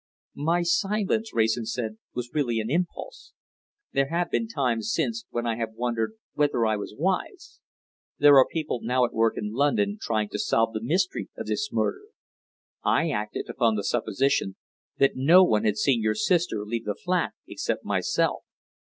"My silence," Wrayson said, "was really an impulse. There have been times since when I have wondered whether I was wise. There are people now at work in London trying to solve the mystery of this murder. I acted upon the supposition that no one had seen your sister leave the flat except myself.